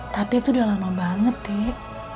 tapi itu udah lama banget tip